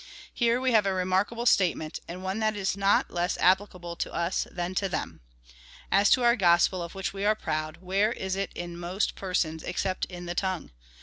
Here we have a remarkable statement, and one that is not less applicable to us than to them. As to our gospel, of which we are proud,^ where is it in most persons except in the tongue ?